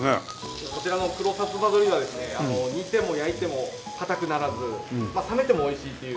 こちらの黒さつま鶏はですね煮ても焼いても硬くならず冷めてもおいしいというですね